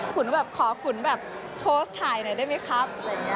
ขุนเขาแบบขอขุนแบบโทสต์ถ่ายหน่อยได้มั้ยครับ